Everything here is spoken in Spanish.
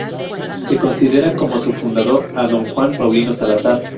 Se considera como su fundador a don "Juan Paulino Salazar.